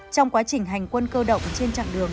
trong quá trình hành quân cơ động trên chặng đường